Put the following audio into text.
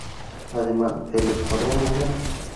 Además, el escuadrón Núm.